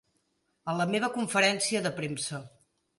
A la meva conferència de premsa.